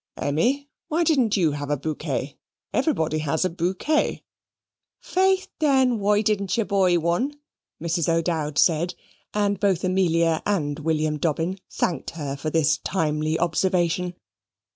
Emmy, why didn't you have a bouquet? Everybody has a bouquet." "Faith, then, why didn't you BOY one?" Mrs. O'Dowd said; and both Amelia and William Dobbin thanked her for this timely observation.